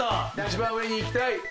一番上にいきたい。